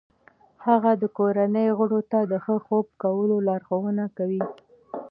هغه د کورنۍ غړو ته د ښه خوب کولو لارښوونه کوي.